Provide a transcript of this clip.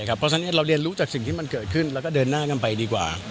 เพราะฉะนั้นเราเรียนรู้จากสิ่งที่มันเกิดขึ้นแล้วก็เดินหน้ากันไปดีกว่า